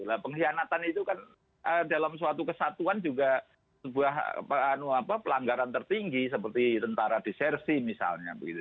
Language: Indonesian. nah pengkhianatan itu kan dalam suatu kesatuan juga sebuah pelanggaran tertinggi seperti tentara disersi misalnya begitu